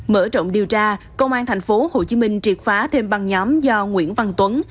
mở rộng điều tra công an tp hcm triệt phá thêm băng nhóm do nguyễn văn tuấn